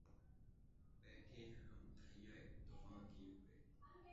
بیٹهے ہیں ہم تہیّہ طوفاں کئے ہوئے